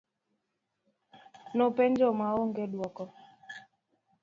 Nopenjo ma ong'e duoko.